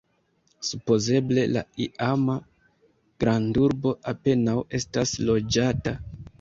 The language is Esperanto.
Supozeble la iam grandurbo apenaŭ estas loĝata.